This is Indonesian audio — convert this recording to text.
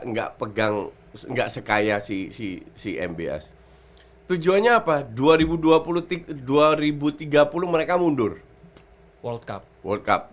enggak pegang enggak sekaya si si mbs tujuannya apa dua ribu dua puluh tiga puluh mereka mundur world cup world cup